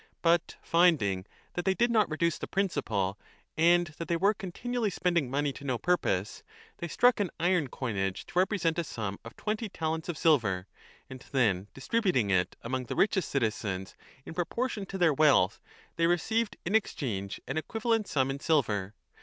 But finding that they did not reduce the principal and that they were 25 continually spending money to no purpose, they struck an iron coinage to represent a sum of twenty talents of silver, and then distributing it among the richest citizens in proportion to their wealth they received in exchange an equivalent sum in silver.